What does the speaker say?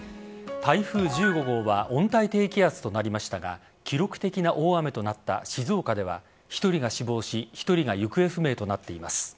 台風１５号は温帯低気圧となりましたが記録的な大雨となった静岡では１人が死亡し１人が行方不明となっています。